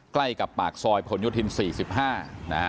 ใกล้กับปากซอยผลโยธิน๔๕นะฮะ